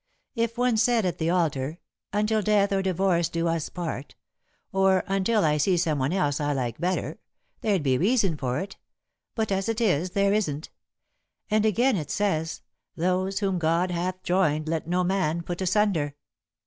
If one said, at the altar, 'Until death or divorce do us part,' or 'Until I see someone else I like better,' there'd be reason for it, but, as it is, there isn't. And again, it says, 'Those whom God hath joined let no man put asunder.'"